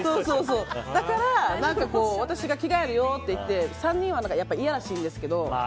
だから私が着替えるよって言って３人は嫌らしいんですけど。